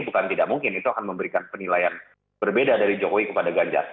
bukan tidak mungkin itu akan memberikan penilaian berbeda dari jokowi kepada ganjar